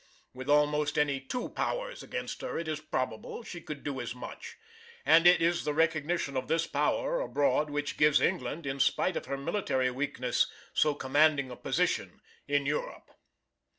With almost any two Powers against her it is probable she could do as much: and it is the recognition of this power abroad which gives England, in spite of her military weakness, so commanding a position in Europe.